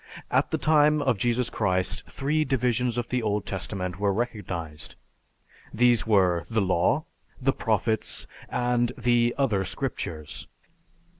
At the time of Jesus Christ, three divisions of the Old Testament were recognized. These were, the Law, the Prophets, and the other Scriptures.